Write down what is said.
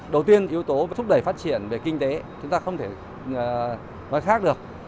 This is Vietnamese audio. đầu tiên yếu tố thúc đẩy phát triển về kinh tế chúng ta không thể nói khác được